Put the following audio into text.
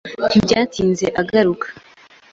Ntibyatinze agaruka.